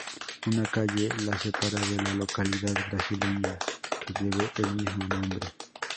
Una calle la separa de la localidad brasileña que lleva el mismo nombre.